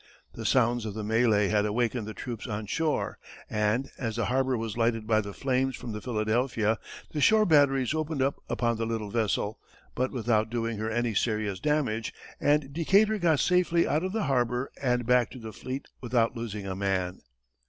The sounds of the mêlée had awakened the troops on shore, and, as the harbor was lighted by the flames from the Philadelphia, the shore batteries opened upon the little vessel, but without doing her any serious damage, and Decatur got safely out of the harbor and back to the fleet without losing a man.